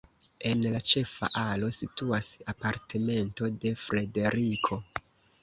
En la ĉefa alo situas apartamento de Frederiko.